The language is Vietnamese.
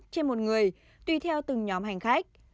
trên một người tùy theo từng nhóm hành khách